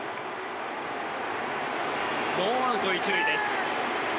ノーアウト一塁です。